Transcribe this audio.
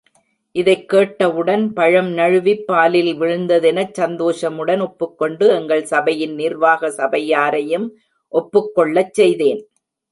இதைக் கேட்டவுடன் பழம் நழுவிப் பாலில் விழுந்ததெனச் சந்தோஷமுடன் ஒப்புக்கொண்டு, எங்கள் சபையின் நிர்வாக சபையாரையும் ஒப்புக்கொள்ளச் செய்தேன்.